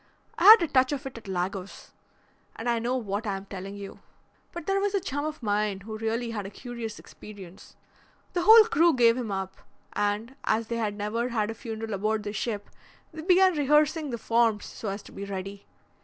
I had a touch of it at Lagos, and I know what I am telling you. But there was a chum of mine who really had a curious experience. The whole crew gave him up, and, as they had never had a funeral aboard the ship, they began rehearsing the forms so as to be ready.